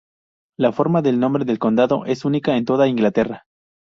La forma del nombre del condado es única en toda Inglaterra.